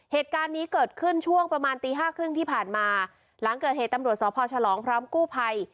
เหตุการณ์นี้เกิดขึ้นช่วงประมาณตีห้าครึ่งที่ผ่านมาหลังเกิดเหตุตำรวจสพฉลองพร้อมกู้ภัย